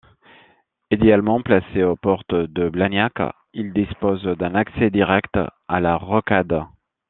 Idéalement placé aux portes de Blagnac, il dispose d'un accès direct à la rocade.